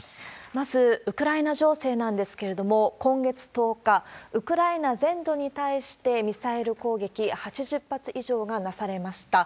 まずウクライナ情勢なんですけれども、今月１０日、ウクライナ全土に対してミサイル攻撃８０発以上がなされました。